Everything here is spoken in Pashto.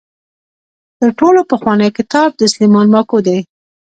تر ټولو پخوانی کتاب د سلیمان ماکو دی.